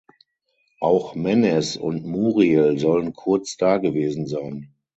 Auch Menez und Muriel sollen kurz dagewesen sein.